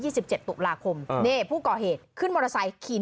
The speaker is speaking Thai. สิบเจ็ดตุลาคมนี่ผู้ก่อเหตุขึ้นมอเตอร์ไซค์ขี่